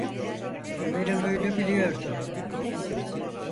Ömer’in huyunu biliyordu.